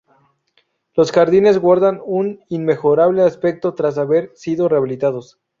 Los jardines guardan un inmejorable aspecto tras haber sido rehabilitados.